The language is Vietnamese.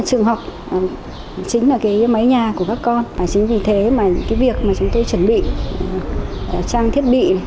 trường học chính là máy nhà của các con và chính vì thế việc chúng tôi chuẩn bị trang thiết bị